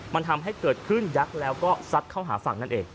มันทำให้เกิดขึ้นยักษ์แล้วก็ซัดเข้าหาฝั่งนั่นเอง